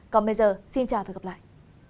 còn bây giờ xin chào và gặp lại